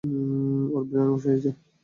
ওর brainwash হয়েছে।